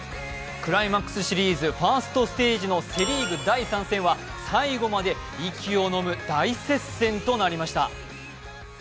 クライマックスシリーズファーストステージのセ・リーグ第３戦は最後まで息をのむ大接戦となりました。